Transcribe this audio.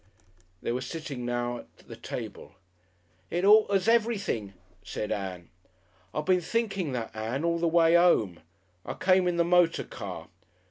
They were sitting now at the table. "It alters everything," said Ann. "I been thinking that, Ann, all the way 'ome. I came in the motor car.